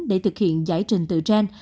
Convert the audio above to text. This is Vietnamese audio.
để thực hiện giải trình tự gen